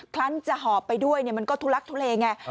ครั้งจะหอบไปด้วยมันก็ทุลักทุเลไง